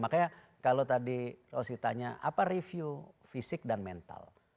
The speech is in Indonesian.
makanya kalau tadi lo masih ditanya apa review fisik dan mental